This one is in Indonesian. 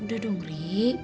udah dong ri